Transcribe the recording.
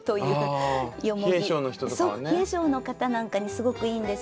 冷え性の方なんかにすごくいいんですよ。